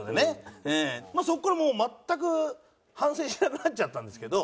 そこからもう全く反省しなくなっちゃったんですけど。